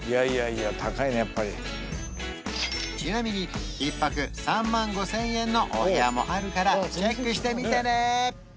やっぱりちなみに１泊３万５０００円のお部屋もあるからチェックしてみてね